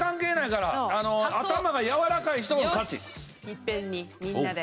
いっぺんにみんなで。